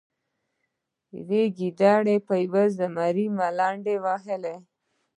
یوې ګیدړې په یو زمري ملنډې وهلې.